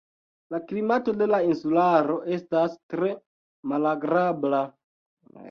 La klimato de la insularo estas tre malagrabla.